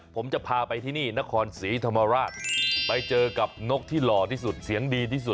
ผมจะพาไปที่นี่นครศรีธรรมราชไปเจอกับนกที่หล่อที่สุดเสียงดีที่สุด